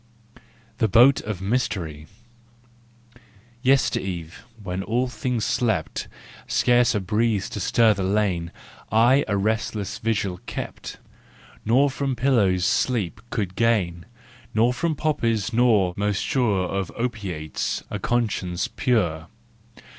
THE BOAT OF MYSTERY. Yester eve, when all things slept— Scarce a breeze to stir the lane— I a restless vigil kept, Nor from pillows sleep could gain, Nor from poppies nor—most sure Of opiates—a conscience pure.